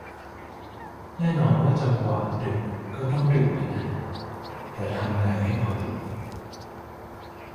แน่นอนว่าจังหวะดุก็ต้องดุอะนะ แต่ทำไงให้พอดี